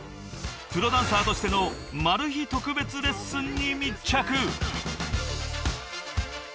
［プロダンサーとしてのマル秘特別レッスンに密着！］